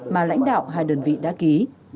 mà lãnh đạo hai đơn vị đã ký